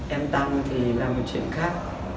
em tăng thì là một chuyện khác